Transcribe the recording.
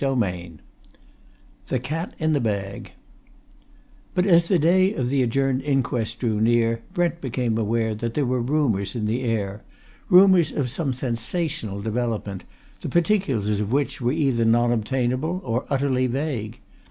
CHAPTER X THE CAT IN THE BAG But as the day of the adjourned inquest drew near Brent became aware that there were rumours in the air rumours of some sensational development, the particulars of which were either non obtainable or utterly vague.